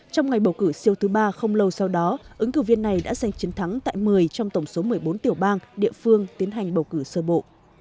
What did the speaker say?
trong ngày bầu cử siêu thứ ba không lâu sau đó ứng cử viên này đã giành chiến thắng tại một mươi trong tổng số một mươi bốn tiểu bang địa phương tiến hành bầu cử sơ bộ